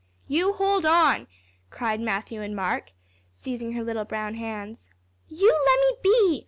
"You hold on," cried Matthew and Mark, seizing her little brown hands. "You lemme be!"